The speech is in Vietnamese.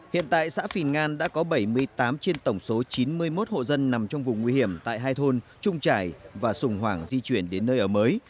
hiện tại xã phìn ngan đã có bảy mươi tám trên tổng số chín mươi một hộ dân nằm trong vùng nguy hiểm tại hai thôn trung trải và sùng hoàng di chuyển đến nơi ở mới